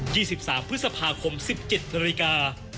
ี่สิบสามพฤษภาคมสิบเจ็ดนาฬิกา